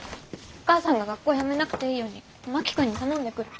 お母さんが学校辞めなくていいように真木君に頼んでくる。